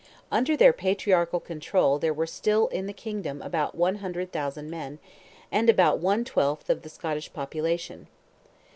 Under their patriarchal control there were still in the kingdom about a hundred thousand men, and about one twelfth of the Scottish population.